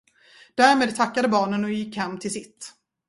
Därmed tackade barnen och gick hem till sitt.